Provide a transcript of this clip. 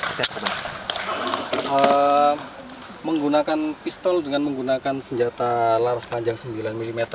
ada menggunakan pistol dengan menggunakan senjata laras panjang sembilan mm